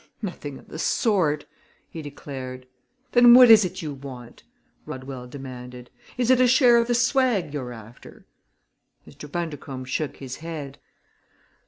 "Nothing of the sort!" he declared. "Then what is it you want?" Rodwell demanded. "Is it a share of the swag you're after?" Mr. Bundercombe shook his head.